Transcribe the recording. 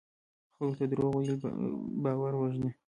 خلکو ته دروغ ویل باور وژني.